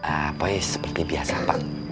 apa seperti biasa pak